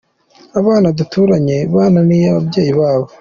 Abana duturanye bananiye ababyeyi babo.